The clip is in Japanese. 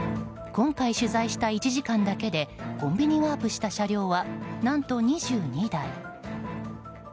今回取材した１時間だけでコンビニワープした車両は何と２２台。